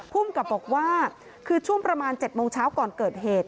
ภูมิกับบอกว่าคือช่วงประมาณ๗โมงเช้าก่อนเกิดเหตุ